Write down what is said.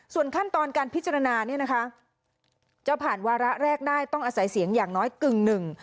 ส่วนขั้นตอนการพิจารณาเนี่ยนะคะจะผ่านวาระแรกได้ต้องอาศัยเสียงอย่างน้อยกึ่งหนึ่ง